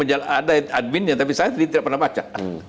ada adminnya tapi saya tidak pernah baca